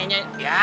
ini rantainya ya